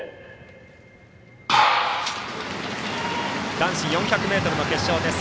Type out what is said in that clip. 男子４００ｍ決勝です。